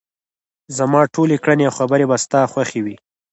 زما ټولې کړنې او خبرې به ستا خوښې وي.